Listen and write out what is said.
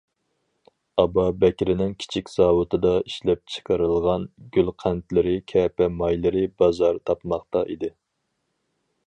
ئابابەكرىنىڭ كىچىك زاۋۇتىدا ئىشلەپچىقىرىلغان گۈلقەنتلىرى، كەپە مايلىرى بازار تاپماقتا ئىدى.